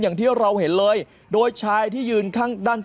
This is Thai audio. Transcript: อย่างที่เราเห็นเลยโดยชายที่ยืนข้างด้าน